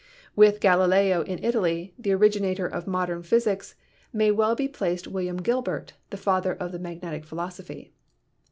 THE PROPERTIES OF MATTER 45 With Galileo in Italy, "the originator of modern physics," may well be placed William Gilbert, "the father of the magnetic philosophy."